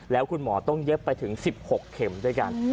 แล้วคุณหมอต้องเย็บไปถึง๑๖เข็มด้วยกัน